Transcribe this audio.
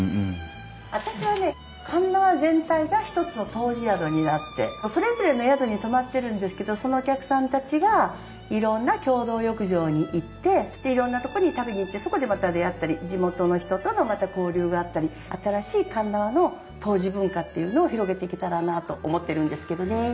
私はね鉄輪全体が一つの湯治宿になってそれぞれの宿に泊まってるんですけどそのお客さんたちがいろんな共同浴場に行ってでいろんなとこに食べに行ってそこでまた出会ったり地元の人との交流があったり新しい鉄輪の湯治文化っていうのを広げていけたらなあと思ってるんですけどねえ。